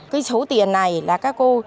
cái số tiền này là các cô